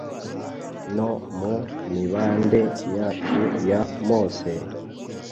no mu mibande yacu ya mose,